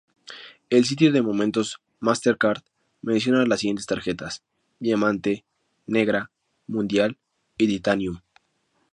El sitio de momentos Mastercard menciona las siguientes tarjetas: Diamante, Negra, Mundial y Titanium.